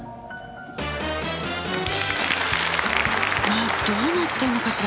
わっどうなってんのかしら。